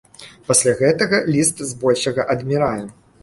Пасля гэтага ліст збольшага адмірае.